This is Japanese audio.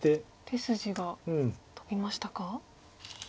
手筋が飛びましたか？